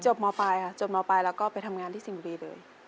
มปลายค่ะจบมปลายแล้วก็ไปทำงานที่สิ่งบุรีเลย